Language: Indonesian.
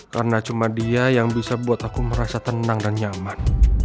karena cuma dia yang bisa buat aku merasa tenang dan nyaman